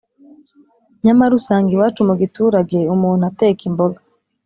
nyamara usanga iwacu mu giturage umuntu ateka imboga